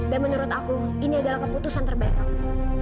dan menurut aku ini adalah keputusan terbaik aku